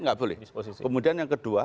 tidak boleh kemudian yang kedua